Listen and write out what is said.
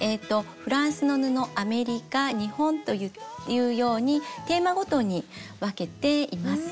フランスの布アメリカ日本というようにテーマごとに分けています。